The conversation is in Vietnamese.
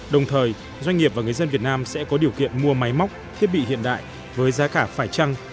đồng thời doanh nghiệp và người dân việt nam sẽ có điều kiện mua máy móc thiết bị hiện đại với giá cả phải trăng